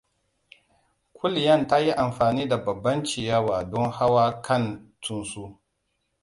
Kuliyan ta yi amfani da babban ciyawa don hawa kan tsuntsu.